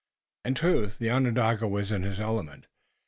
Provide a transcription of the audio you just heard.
In truth, the Onondaga was in his element.